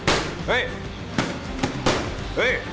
はい！